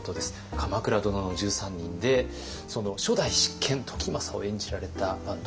「鎌倉殿の１３人」でその初代執権時政を演じられた坂東